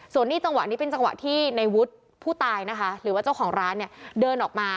ส่วนนี้เป็นจังหวะที่นายวุฒิผู้ตายนะคะหรือว่าเจ้าของร้านเดินออกมา